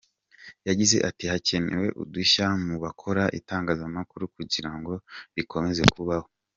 Yagize ati “ Hakenewe udushya mu bakora itangazamakuru kugira ngo rikomeze kubaho.